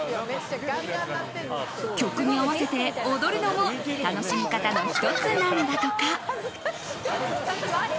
曲に合わせて踊るのも楽しみ方の１つなんだとか。